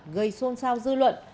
gây xôn xao dư luận